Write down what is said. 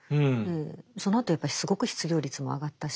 そのあとやっぱりすごく失業率も上がったし。